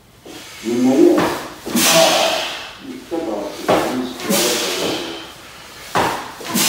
Yenna-as: «Ah! Yefka-d Ṛebbi win seg ara d-awiɣ lweqt».